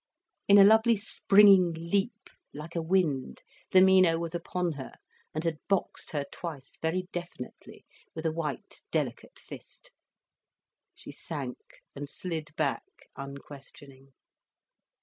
In a lovely springing leap, like a wind, the Mino was upon her, and had boxed her twice, very definitely, with a white, delicate fist. She sank and slid back, unquestioning.